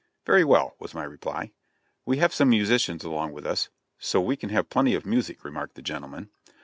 "Very well," was my reply. "We have some musicians along with us, so we can have plenty of music," remarked the gentleman.